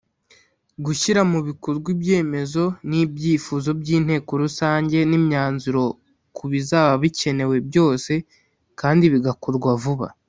Gushyira mu bikorwa ibyemezo n ibyifuzo by’ Inteko rusange n’imyanzuro kubizaba bikenewe byose kandi bigakorwa vuba.